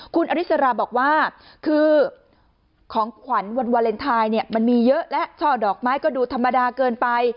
คุณอริสราบอกว่าคือของขวัญวันวาเลนไทยเนี่ยมันมีเยอะและช่อดอกไม้ก็ดูธรรมดาเกินไป